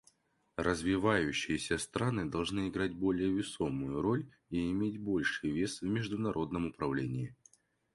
Развивающиеся страны должны играть более весомую роль и иметь больший вес в международном управлении.